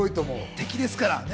敵ですからね。